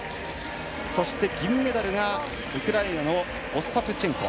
そして銀メダルがウクライナのオスタプチェンコ。